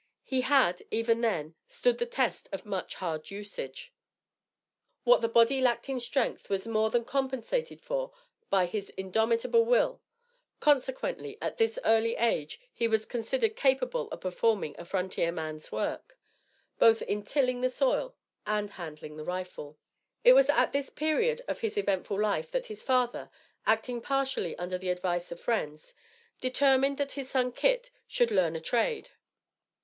He had, even then, stood the test of much hard usage. What the body lacked in strength was more than compensated for by his indomitable will; consequently, at this early age, he was considered capable of performing a frontier man's work, both in tilling the soil and handling the rifle. It was at this period of his eventful life that his father, acting partially under the advice of friends, determined that his son Kit should learn a trade.